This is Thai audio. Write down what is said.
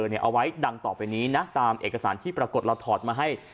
เอาไว้ดังต่อไปนี้นะตามเอกสารที่ปรากฏเราถอดมาให้